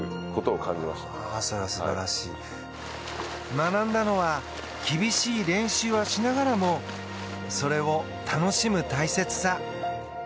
学んだのは厳しい練習はしながらもそれを楽しむ大切さ。